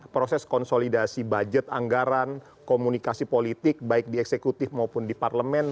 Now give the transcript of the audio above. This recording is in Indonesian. proses konsolidasi budget anggaran komunikasi politik baik di eksekutif maupun di parlemen